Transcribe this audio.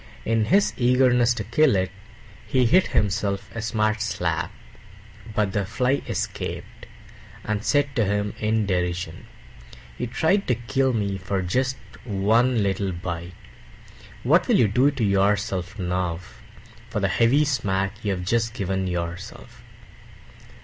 In his eagerness to kill it, he hit himself a smart slap. But the Fly escaped, and said to him in derision, "You tried to kill me for just one little bite; what will you do to yourself now, for the heavy smack you have just given yourself?"